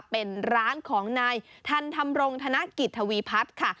เป็นร้านของนายทันธรรมรงธนกิจทวีพัฒน์ค่ะ